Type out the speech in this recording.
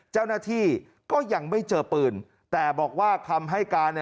เจ้าหน้าที่ก็ยังไม่เจอปืนแต่บอกว่าคำให้การ